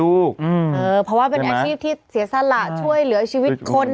เพราะว่าเป็นอาชีพที่เสียสละช่วยเหลือชีวิตคน